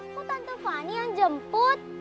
aku tante fani yang jemput